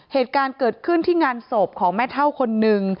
เหตุการณ์เกิดขึ้นที่งานศพของแม่เท่าคนนึง